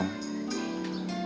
akang baru tahu